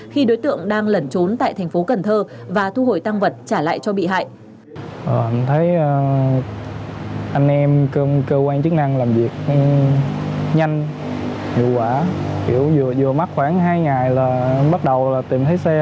khi đối tượng đang lẩn trốn tại thành phố cần thơ và thu hồi tăng vật trả lại cho bị hại